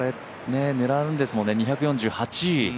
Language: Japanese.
狙うんですもんね、２４８。